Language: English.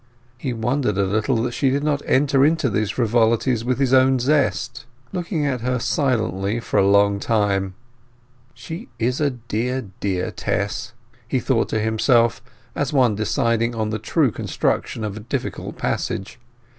He wondered a little that she did not enter into these frivolities with his own zest. Looking at her silently for a long time; "She is a dear dear Tess," he thought to himself, as one deciding on the true construction of a difficult passage.